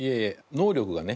能力がね